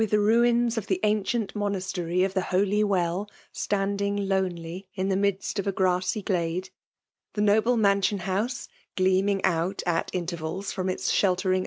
the ruins of the ancient monastery of the HoUq Well, standing lonely in the midst of a grassy glade — ^the noble mansion house gleaming oui at intervals from its sheltering